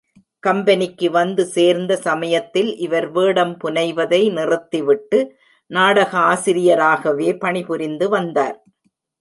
கம்பெனிக்கு வந்து சேர்ந்த சமயத்தில் இவர் வேடம் புனைவதை நிறுத்திவிட்டு நாடகாசிரியராகவே பணி புரிந்து வந்தார்.